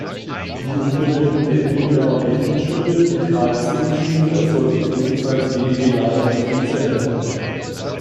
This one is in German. Die Umbenennung der Ilmenauer Mädchenschule in "Karl-Zink-Schule" erfolgte ebenfalls wenige Jahre nach Kriegsende.